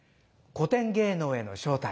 「古典芸能への招待」